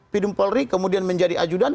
pidum polri kemudian menjadi ajudan